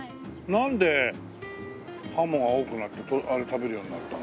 なんでハモが多くなって食べるようになったの？